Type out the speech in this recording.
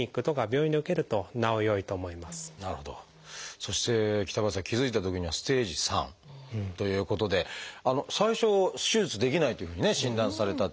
そして北林さん気付いたときにはステージⅢということで最初手術できないというふうにね診断されたって。